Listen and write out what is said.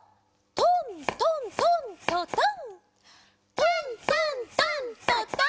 ・トントントントトン。